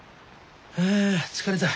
ああ疲れた。